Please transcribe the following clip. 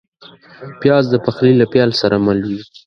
پیاز د پخلي له پیل سره مل وي